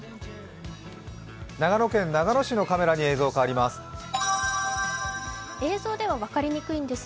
長野県長野市のカメラに映像が変わります。